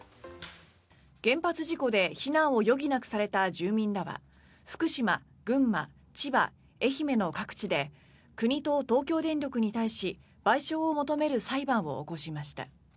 原発事故で避難を余儀なくされた住民らは福島、群馬、千葉、愛媛の各地で国と東京電力に対し賠償を求める裁判を起こしました。